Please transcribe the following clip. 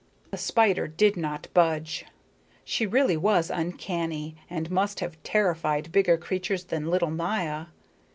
The spider did not budge. She really was uncanny and must have terrified bigger creatures than little Maya.